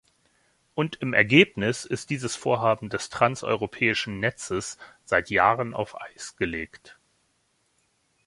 Und im Ergebnis ist dieses Vorhaben des transeuropäischen Netzes seit Jahren auf Eis gelegt.